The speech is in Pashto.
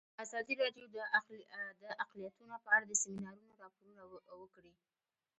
ازادي راډیو د اقلیتونه په اړه د سیمینارونو راپورونه ورکړي.